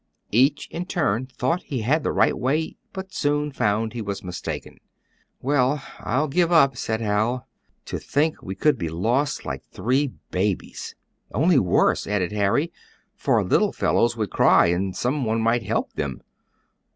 Each, in turn, thought he had the right way, but soon found he was mistaken. "Well, I'll give up!" said Hal. "To think we could be lost like three babies!" "Only worse," added Harry, "for little fellows would cry and someone might help them."